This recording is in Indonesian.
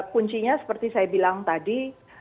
kuncinya seperti saya bilang tadi